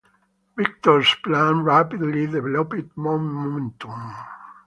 Victor's plan rapidly developed momentum.